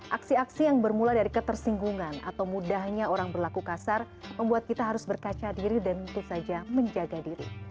aksi aksi yang bermula dari ketersinggungan atau mudahnya orang berlaku kasar membuat kita harus berkaca diri dan tentu saja menjaga diri